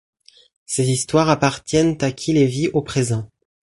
Ces histoires appartiennent à qui les vit au présent.